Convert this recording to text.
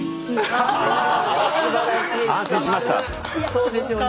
そうでしょうね。